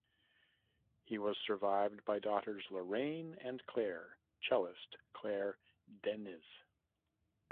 He was survived by daughters Lorraine and Claire (cellist Clare Deniz).